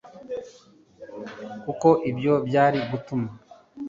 kuko ibyo byari gutuma